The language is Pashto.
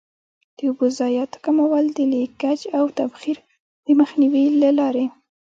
د اوبو ضایعاتو کمول د لیکج او تبخیر د مخنیوي له لارې.